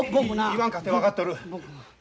言わんかて分かっとる。